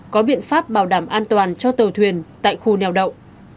có biện pháp bảo đảm an toàn cho tàu thuyền tại khu nèo đậu